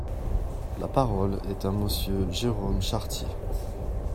La parole est à Monsieur Jérôme Chartier.